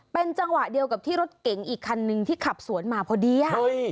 เป็นจังหวะเดียวกับที่รถเก๋งอีกคันนึงที่ขับสวนมาพอดี